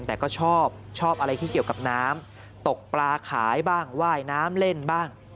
แต่ก็ชอบชอบอะไรที่เกี่ยวกับน้ำตกปลาขายบ้างว่ายน้ำเล่นบ้าง